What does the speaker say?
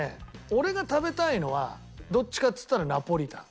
俺が食べたいのはどっちかっつったらナポリタン。